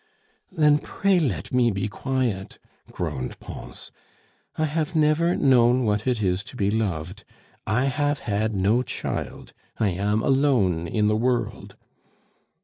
"Then, pray let me be quiet!" groaned Pons. "I have never known what it is to be loved. I have had no child; I am alone in the world."